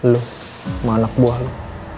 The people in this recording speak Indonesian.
lo sama anak buah lo